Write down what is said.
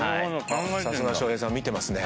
さすが翔平さん見てますね。